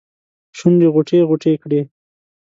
شونډې غوټې ، غوټې کړي